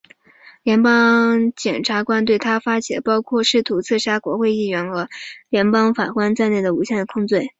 联邦检察官对他发起了包括试图刺杀国会议员和联邦法官在内的五项控罪。